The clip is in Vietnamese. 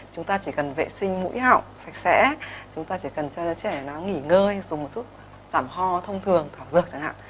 chúng ta chỉ cần vệ sinh mũi họng sạch sẽ chúng ta chỉ cần cho đứa trẻ nó nghỉ ngơi dùng một chút giảm ho thông thường thảo dược chẳng hạn